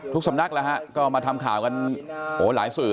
ทุกสำนักก็มาทำข่าวกันหลายสื่อ